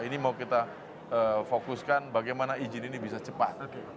ini mau kita fokuskan bagaimana izin ini bisa cepat